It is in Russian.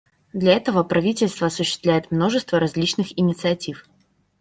Для этого правительство осуществляет множество различных инициатив.